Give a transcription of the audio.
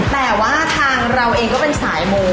แต่ว่าทางเราเองก็เป็นสายมู